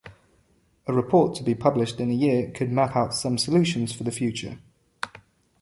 A report to be published in a year could map out some solutions for the future.